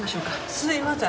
すいません。